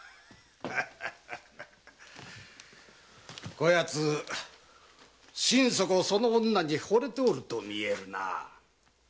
こ奴心底その女に惚れておると見えるな。